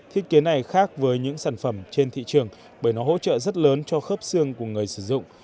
thiết kế này khác với những sản phẩm trên thị trường bởi nó hỗ trợ rất lớn cho khớp xương của người sử dụng